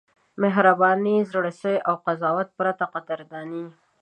مهرباني، زړه سوی او له قضاوت پرته قدرداني: